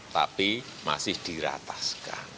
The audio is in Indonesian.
tapi masih dirataskan